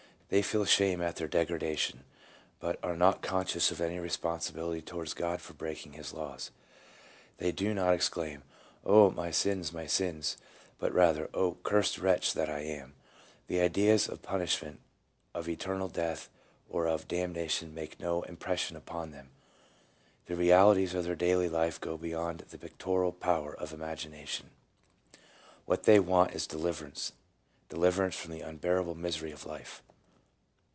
They feel shame at their degradation, but are not conscious of any responsibility towards God for breaking His laws. They do not exclaim, ' Oh, my sins, my sins !' but rather, ' Oh, cursed wretch that I am !' The ideas of punishment, of eternal death, or of damnation make no impression upon them ; the realities of their daily life go beyond the pictorial power of imagination. What they want is deliverance — deliverance from the unbearable misery of life."